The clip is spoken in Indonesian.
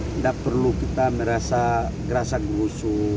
tidak perlu kita merasa gerasak gugusu